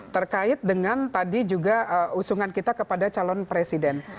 terkait dengan tadi juga usungan kita kepada calon presiden